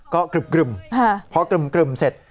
ก็กรึ่มพอกรึ่มเสร็จ